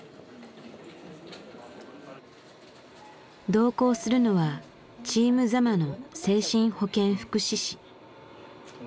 同行するのはチーム座間の精神保健福祉士。